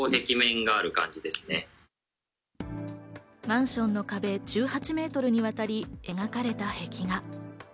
マンションの壁１８メートルにわたり描かれた壁画。